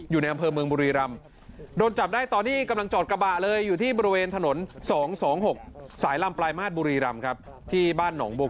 อยู่ในอำเภอเมืองบุรีรำ